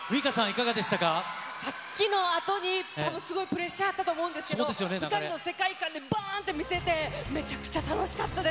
さっきのあとに、たぶんすごいプレッシャーやったと思うんですけど、２人の世界観で、ばーんって見せて、めちゃくちゃ楽しかったです。